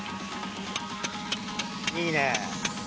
いいね。